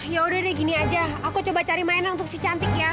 ya udah deh gini aja aku coba cari mainan untuk si cantik ya